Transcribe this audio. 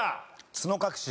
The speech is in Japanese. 角隠し。